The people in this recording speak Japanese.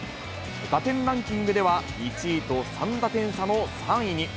打点ランキングでは、１位と３打点差の３位に。